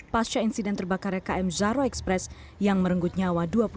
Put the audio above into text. pasca insiden terbakarnya km zahro express yang merenggut nyawa dua puluh tiga tahun